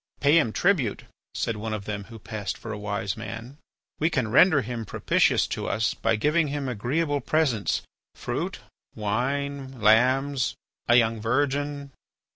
"Pay him tribute," said one of them who passed for a wise man. "We can render him propitious to us by giving him agreeable presents, fruits, wine, lambs, a young virgin."